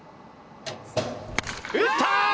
打った！